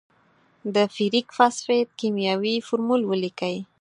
د فیریک فاسفیټ کیمیاوي فورمول ولیکئ.